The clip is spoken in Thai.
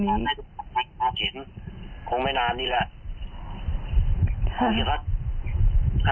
นี่ลุงเห็นคงไม่นานนี้แหละ